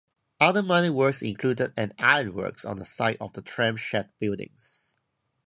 Other minor works included an ironworks on the site of the tram shed buildings.